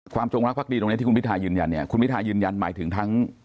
จงรักภักดีตรงนี้ที่คุณพิทายืนยันเนี่ยคุณพิทายืนยันหมายถึงทั้ง